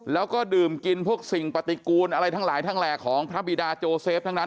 แล้วก็ดื่มกินพวกสิ่งปฏิกูลอะไรทั้งหลายทั้งแหล่ของพระบิดาโจเซฟทั้งนั้น